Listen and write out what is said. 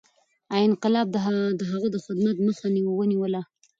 ایا انقلاب د هغه د خدمت مخه ونیوله؟